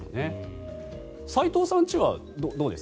斎藤さんちはどうです？